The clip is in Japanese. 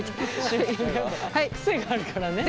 癖があるからね。